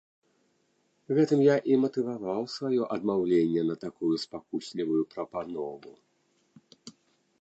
Гэтым я і матываваў сваё адмаўленне на такую спакуслівую прапанову.